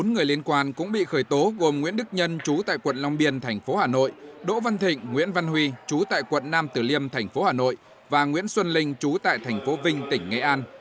bốn người liên quan cũng bị khởi tố gồm nguyễn đức nhân trú tại quận long biên tp hà nội đỗ văn thịnh nguyễn văn huy trú tại quận nam tử liêm tp hà nội và nguyễn xuân linh trú tại tp vinh tỉnh nghệ an